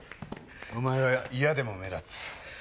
お前は嫌でも目立つ。